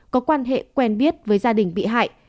có quan hệ quen biết với gia đình bị hại